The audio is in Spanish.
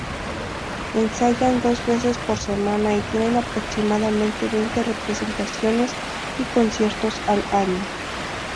Ensayan dos veces por semana y tienen aproximadamente veinte representaciones y conciertos al año.